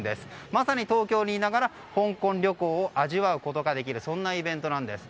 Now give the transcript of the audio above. まさに、東京にいながら香港旅行を味わうことができるそんなイベントなんです。